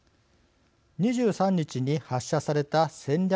２３日に発射された戦略